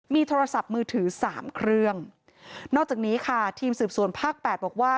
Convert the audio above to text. มีโทรศัพท์มือถือสามเครื่องนอกจากนี้ค่ะทีมสืบสวนภาคแปดบอกว่า